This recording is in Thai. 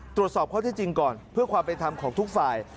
ตรวจสอบข้อที่จริงก่อนเพื่อความเป็นธรรมของทุกฝ่าย